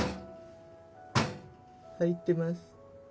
入ってます。